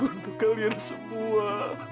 untuk kalian semua